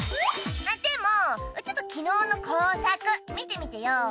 あっでもちょっと昨日の工作見てみてよ。